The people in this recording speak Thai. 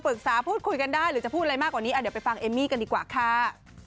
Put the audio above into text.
พูดคุยกันได้หรือจะพูดอะไรมากกว่านี้เดี๋ยวไปฟังเอมมี่กันดีกว่าค่ะ